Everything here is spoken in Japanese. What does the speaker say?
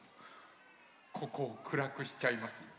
ここをくらくしちゃいますよ。